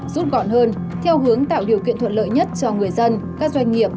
rút gọn hơn theo hướng tạo điều kiện thuận lợi nhất cho người dân các doanh nghiệp